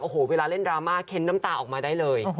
โอ้โหเวลาเล่นดราม่าเค้นน้ำตาออกมาได้เลย